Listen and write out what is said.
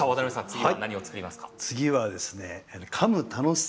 次は何を作りますか？